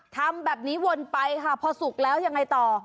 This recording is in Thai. ทำแบบนี้วนไปค่ะพอสุกแล้วยังไงต่อ